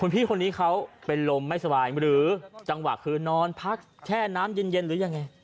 พี่คนนี้เขาเป็นลมไม่สบายหรือจังหวะคือนอนพักแช่น้ำเย็นหรือยังไง